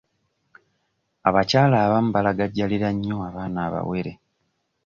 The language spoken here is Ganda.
Abakyala abamu balagajjalira nnyo abaana abawere.